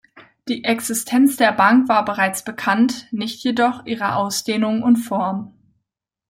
Die Existenz der Bank war bereits bekannt, nicht jedoch ihre Ausdehnung und Form.